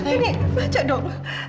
ini baca dong